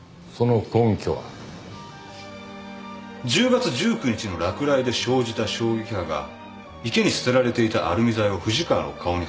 １０月１９日の落雷で生じた衝撃波が池に捨てられていたアルミ材を藤川の顔にはり付けました。